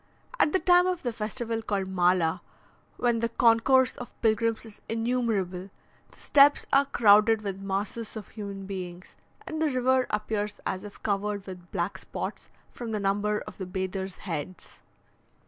At the time of the festival called Mala, when the concourse of pilgrims is innumerable, the steps are crowded with masses of human beings, and the river appears as if covered with black spots from the number of the bathers' heads.